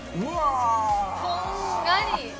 こんがり！